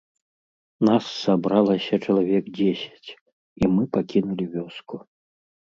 Нас сабралася чалавек дзесяць, і мы пакінулі вёску.